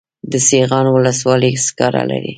د سیغان ولسوالۍ سکاره لري